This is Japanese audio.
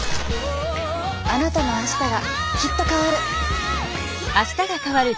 あなたの明日がきっと変わる。